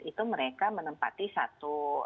itu mereka menempati satu